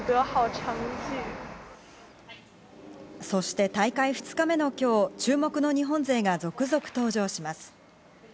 そして大会２日目の今日、注目の日本勢が続々登場します。